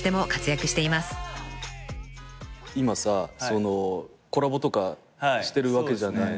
今さコラボしてるわけじゃない。